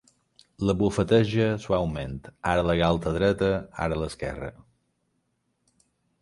La bufeteja suaument, ara la galta dreta, ara l'esquerra.